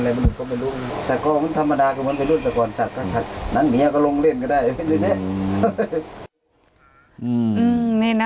นั่งเหนียวก็ลงเล่นก็ได้